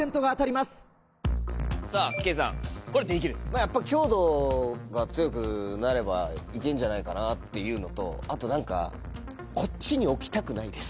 やっぱ強度が強くなれば行けんじゃないかなっていうのとあと何かこっちに。